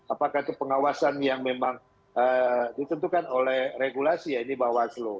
apakah itu pengawasan yang memang ditentukan oleh regulasi ya ini bawaslu